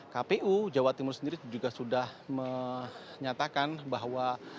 kpu jawa timur sendiri juga sudah menyatakan bahwa